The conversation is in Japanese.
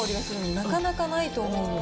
なかなかないと思うので。